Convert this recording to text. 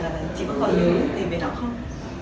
là chị có nhớ gì về nó không